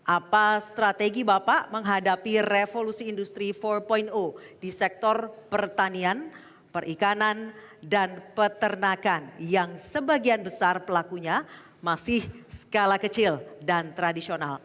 apa strategi bapak menghadapi revolusi industri empat di sektor pertanian perikanan dan peternakan yang sebagian besar pelakunya masih skala kecil dan tradisional